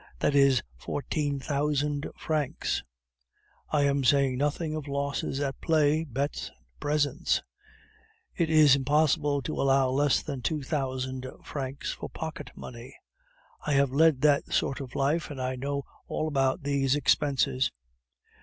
That is fourteen thousand francs. I am saying nothing of losses at play, bets, and presents; it is impossible to allow less than two thousand francs for pocket money. I have led that sort of life, and I know all about these expenses.